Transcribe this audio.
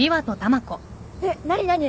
えっ何何？